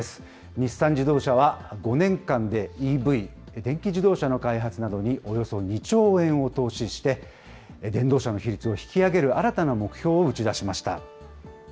日産自動車は、５年間でＥＶ・電気自動車の開発などにおよそ２兆円を投資して、電動車の比率を引き上げる新たな目標を打ち出しました。